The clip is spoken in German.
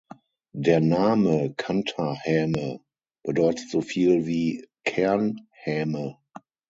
Der Name "Kanta-Häme" bedeutet so viel wie „Kern-Häme“.